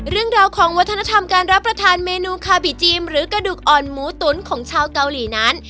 เรื่องราวของวัฒนธรรมการรับประทานเมนูคาบิจีมหรือกระดูกอ่อนหมูตุ๋นของชาวเกาหลีนั้น